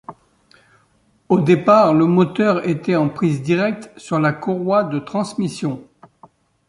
Au départ, le moteur était en prise directe sur la courroie de transmission.